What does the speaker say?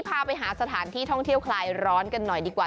พาไปหาสถานที่ท่องเที่ยวคลายร้อนกันหน่อยดีกว่า